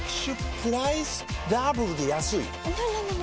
プライスダブルで安いＮｏ！